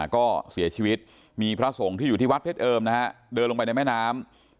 ก็เสียชีวิตมีพระสงฆ์ที่อยู่ที่วัดเพชรเอิมนะฮะเดินลงไปในแม่น้ำ